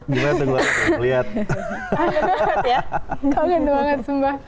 gimana tuh gloria lihat